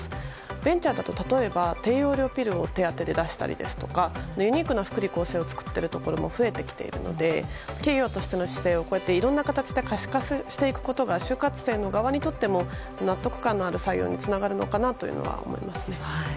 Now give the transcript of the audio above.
ベンチャーだと例えば低用量ピルを手当で出したりだとかユニークな福利厚生を作っているところも増えているので企業としての姿勢をいろんな形で可視化していくことが就活生にとっても納得感のある採用につながるのかなというのは思いますね。